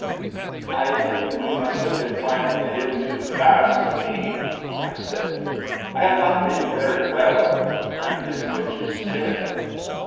"I think we must have been climbing the hill too fast for me," I said, "I have not been very well. I missed what you said."